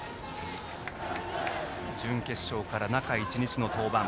準決勝から中１日の登板。